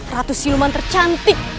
ratu siluman tercantik